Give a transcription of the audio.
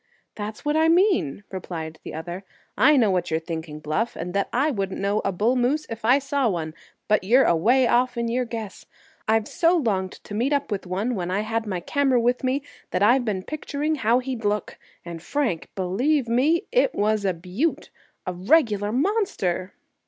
"That's what I mean," replied the other. "I know what you're thinking, Bluff, and that I wouldn't know a bull moose if I saw one. But you're away off in your guess. I've so longed to meet up with one when I had my camera with me that I've been picturing how he'd look. And, Frank, believe me, it was a beaut—a regular monster!"